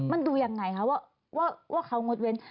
มันดูยังไงคะว่าเขางดเว้น